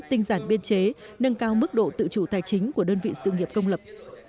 tinh giản biên chế nâng cao mức độ tự chủ tài chính của đơn vị sự nghiệp công lập